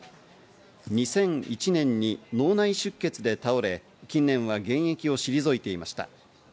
２００１年に脳内出血で倒れ近年は現役を退いていました。